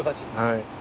はい。